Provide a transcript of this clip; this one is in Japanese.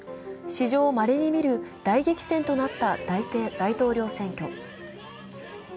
史上まれに見る大激戦となった大統領選挙。